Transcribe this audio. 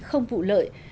không vụ lợi